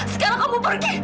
sekarang kamu pergi